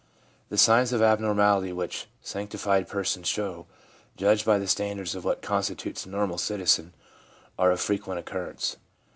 The signs of abnormality which sanctified persons show, judged by the standards of what constitutes a normal citizen, are of frequent occurrence.